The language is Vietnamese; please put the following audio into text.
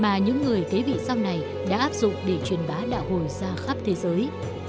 và những người kế vị sau này đã áp dụng để truyền bá đạo hồi ra khắp thế giới